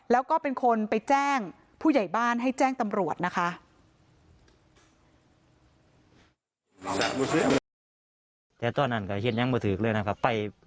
แล้วก็เป็นคนไปแจ้งผู้ใหญ่บ้านให้แจ้งตำรวจนะคะ